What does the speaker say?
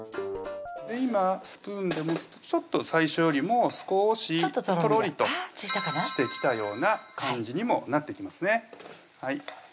今スプーンでちょっと最初よりも少しとろりとしてきたような感じにもなってきますね